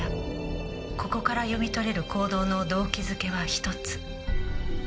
ここから読み取れる行動の動機づけは１つ。